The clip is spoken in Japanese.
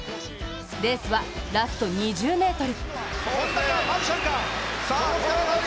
レースは、ラスト２０ｍ。